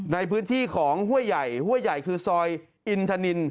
ในพื้นที่ของห้วยใหญ่ห้วยใหญ่คือซอยอินทนิน